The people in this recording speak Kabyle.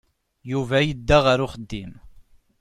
Yuba yedda ɣer uxeddim.